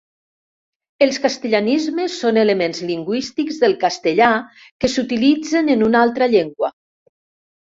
Els castellanismes són elements lingüístics del castellà que s'utilitzen en una altra llengua.